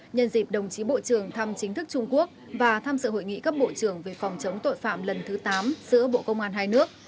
nhân dịp đồng chí bộ trưởng thăm chính thức trung quốc và tham sự hội nghị cấp bộ trưởng về phòng chống tội phạm lần thứ tám giữa bộ công an hai nước